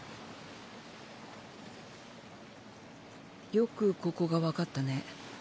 よくここがわかったね。